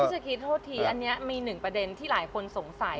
เมื่อกี้โทษทีอันนี้มีหนึ่งประเด็นที่หลายคนสงสัย